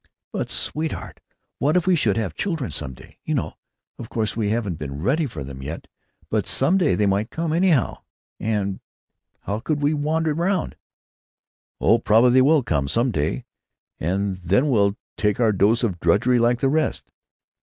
"But, sweetheart, what if we should have children some day? You know—— Of course, we haven't been ready for them yet, but some day they might come, anyhow, and how could we wander round——" "Oh, probably they will come some day, and then we'll take our dose of drudgery like the rest.